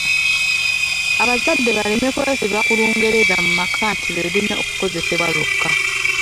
Abazadde baleme kwesiba ku Lungereza mu maka nti lwe lulina okukozesebwa lwokka.